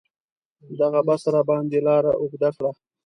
دغه بس راباندې لاره اوږده کړه.